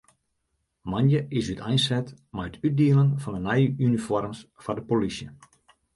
Moandei is úteinset mei it útdielen fan de nije unifoarms foar de polysje.